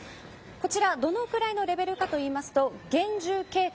こちら、どのぐらいのレベルかと言いますと厳重警戒。